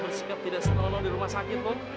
mau bersikap tidak seronok di rumah sakit lo